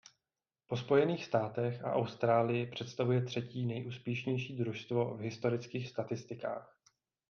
Po Spojených státech a Austrálii představuje třetí nejúspěšnější družstvo v historických statistikách.